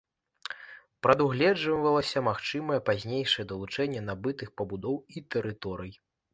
Прадугледжвалася магчымае пазнейшае далучэнне набытых пабудоў і тэрыторый.